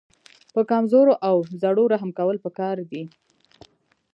په کمزورو او زړو رحم کول پکار دي.